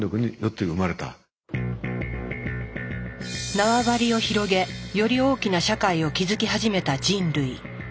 縄張りを広げより大きな社会を築き始めた人類。